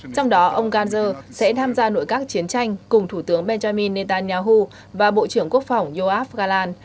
trong đó ông gantz sẽ tham gia nội các chiến tranh cùng thủ tướng benjamin netanyahu và bộ trưởng quốc phòng yoav galan